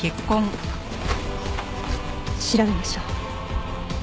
調べましょう。